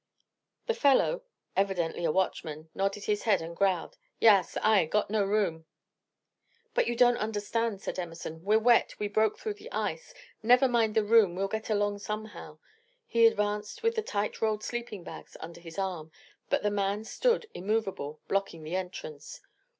The fellow, evidently a watchman, nodded his head, and growled, "Yaas! Ay got no room." "But you don't understand," said Emerson. "We're wet. We broke through the ice. Never mind the room, we'll get along somehow." He advanced with the tight rolled sleeping bags under his arm, but the man stood immovable, blocking the entrance.